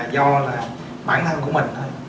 do bản thân của mình